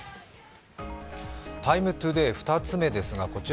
「ＴＩＭＥ，ＴＯＤＡＹ」２つ目です。